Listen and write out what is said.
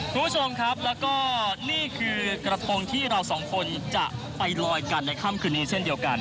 คุณผู้ชมครับแล้วก็นี่คือกระทงที่เราสองคนจะไปลอยกันในค่ำคืนนี้เช่นเดียวกัน